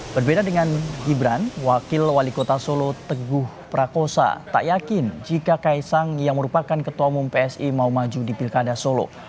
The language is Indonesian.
berbeda dengan gibran wakil wali kota solo teguh prakosa tak yakin jika kaisang yang merupakan ketua umum psi mau maju di pilkada solo